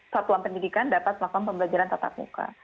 satuan pendidikan dapat melakukan pembelajaran tatap muka